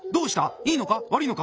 いいのか悪いのか？